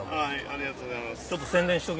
ありがとうございます。